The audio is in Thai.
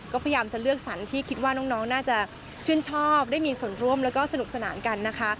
ก็พยายามจะเลือกสรรที่คิดว่าน้องน่าจะชื่นชอบได้มีส่วนร่วมแล้วก็สนุกสนานกันนะคะ